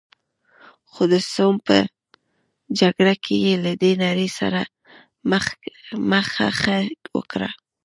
خو د سوم په جګړه کې یې له دې نړۍ سره مخه ښه وکړه.